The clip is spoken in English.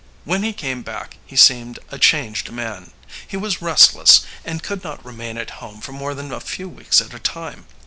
When he came back he seemed a changed man. He was restless, and could not remain at home for more than a few weeks at a time.